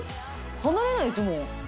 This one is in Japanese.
離れないですもん。